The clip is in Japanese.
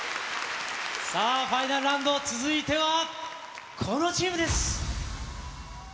さあ、ファイナルラウンド、続いてはこのチームです。